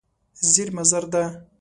زېرمه زر ده.